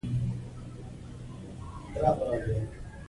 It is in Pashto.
دوی د خپلواکۍ جشن ته تياری نيسي.